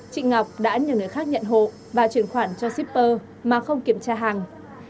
chị ngọc đã nhờ người khác nhận hộ và chuyển khoản cho shipper mà không kiểm tra hàng